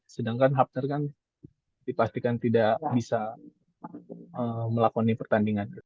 sedangkan hubter kan dipastikan tidak bisa melakoni pertandingan